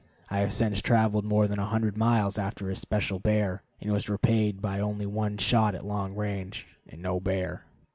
I have since traveled more than a hundred miles after a special bear and was repaid by only one shot at long range, and no bear.